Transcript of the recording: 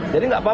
jadi nggak ada